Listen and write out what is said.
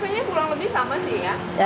tapi rasanya kurang lebih sama sih ya